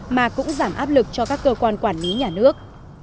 mà cũng giảm áp lực cho các cơ quan quản lý nhà nước